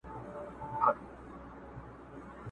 دې تورو سترګو ته دي وایه.!